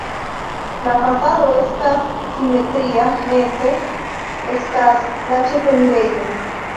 La fasado estas simetria, meze estas la ĉefenirejo.